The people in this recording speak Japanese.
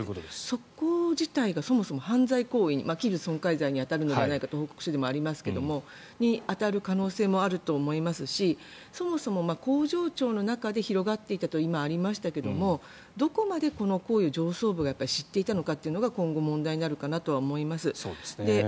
そこ自体がそもそも犯罪行為器物損壊罪に当たるのではないかと報告書にありますがあると思いますしそもそも、工場長の中で広がっていたと今ありましたけどどこまでこの行為を上層部が知っていたのかというのが今後、問題になるかなとは思います。